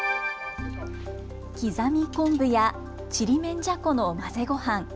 刻み昆布やちりめんじゃこの混ぜごはん。